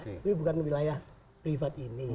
tapi bukan wilayah privat ini